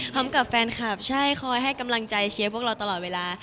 พร้อมกับแฟนคลับใช่คอยให้กำลังใจเชียร์พวกเราตลอดเวลา